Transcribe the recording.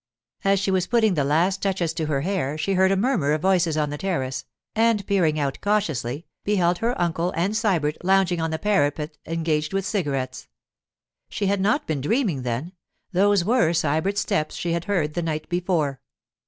As she was putting the last touches to her hair she heard a murmur of voices on the terrace, and peering out cautiously, beheld her uncle and Sybert lounging on the parapet engaged with cigarettes. She had not been dreaming, then; those were Sybert's steps she had heard the night before.